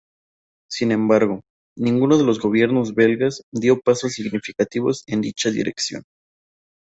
Sin embargo, ninguno de los gobiernos belgas dio pasos significativos en dicha dirección.